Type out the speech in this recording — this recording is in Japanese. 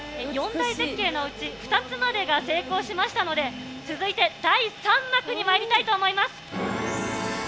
４大絶景のうち２つまでが成功しましたので、続いて第３幕にまいりたいと思います。